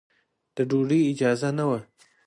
د ډوډۍ اجازه نه وه.